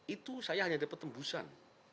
itu saya hanya dapat tembusan